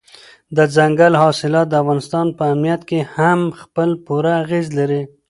دځنګل حاصلات د افغانستان په امنیت هم خپل پوره اغېز لري.